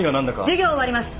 授業を終わります。